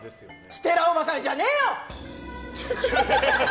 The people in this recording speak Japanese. ステラおばさんじゃねーよ！